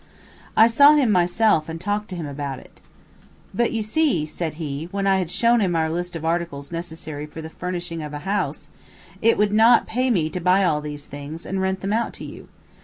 I saw him myself and talked to him about it. "But you see," said he, when I had shown him our list of articles necessary for the furnishing of a house, "it would not pay me to buy all these things, and rent them out to you.